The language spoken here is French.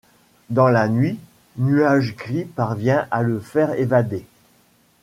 Dans la nuit, Nuage Gris parvient à le faire évader.